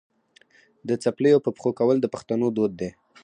د څپلیو په پښو کول د پښتنو دود دی.